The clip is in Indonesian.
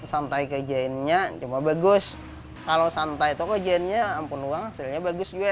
juga santai kejainnya cuma bagus kalau santai toko jennya ampun uang hasilnya bagus juga